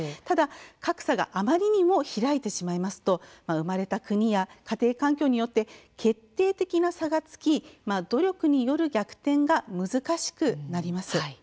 ただ、格差があまりにも開いてしまうと生まれた国や家庭環境によって決定的な差がつき努力による逆転が難しくなります。